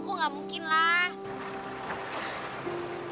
kok enggak mungkin lah